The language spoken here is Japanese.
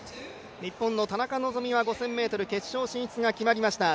日本の田中希実は５０００ｍ決勝進出が決まりました。